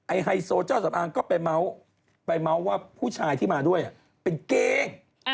ไอ้ไฮโซเจ้าสำอังก็ไปเมาส์ไปเมาส์ว่าผู้ชายที่มาด้วยเป็นเกง